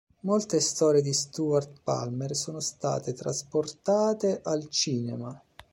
Molte storie di Stuart Palmer sono state trasportate al cinema.